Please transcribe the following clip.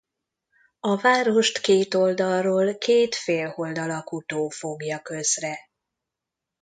A várost két oldalról két félhold alakú tó fogja közre.